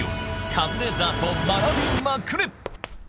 カズレーザーと学びまくれ！